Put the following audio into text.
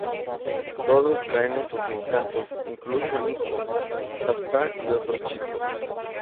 Todos caen en sus encantos, incluso "Nico", Gaspar y otros chicos.